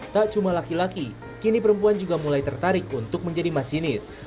tak cuma laki laki kini perempuan juga mulai tertarik untuk menjadi masinis